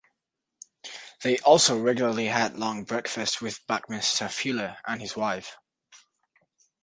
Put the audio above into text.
They also regularly had long breakfasts with Buckminster Fuller and his wife.